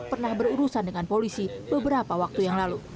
pernah berurusan dengan polisi beberapa waktu yang lalu